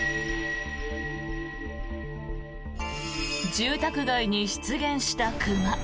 住宅街に出現した熊。